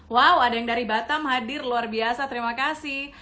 wow ada yang dari batam hadir luar biasa terima kasih